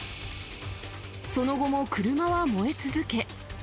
その後も車は燃え続け。